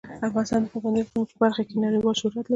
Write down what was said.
افغانستان د پابندی غرونه په برخه کې نړیوال شهرت لري.